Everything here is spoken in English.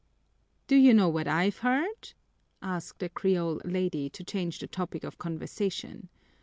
"Do you know what I've heard?" asked a creole lady, to change the topic of conversation.